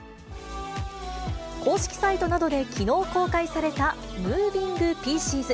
公式サイトなどできのう公開されたムービング・ピーシーズ。